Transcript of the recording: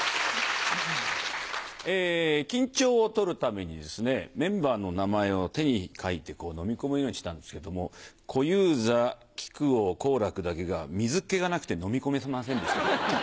緊張を取るためにですねメンバーの名前を手に書いてのみ込むようにしたんですけども小遊三木久扇好楽だけが水っ気がなくてのみ込めさませんでした。